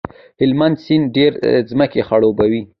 هلمند سیند ډېرې ځمکې خړوبوي.